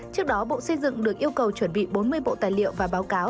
trước đó bộ xây dựng được yêu cầu chuẩn bị bốn mươi bộ tài liệu và báo cáo